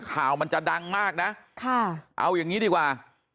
ข่าวมันจะดังมากนะค่ะเอาอย่างนี้ดีกว่า